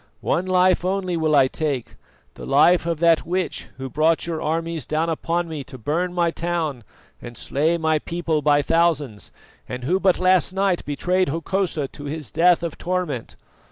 One life only will I take, the life of that witch who brought your armies down upon me to burn my town and slay my people by thousands, and who but last night betrayed Hokosa to his death of torment.